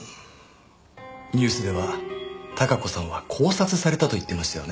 ニュースでは孝子さんは絞殺されたと言ってましたよね？